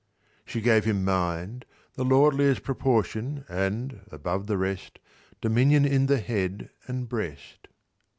"She gave him mind, the lordliest Proportion, and, above the rest, Dominion in the head and breast."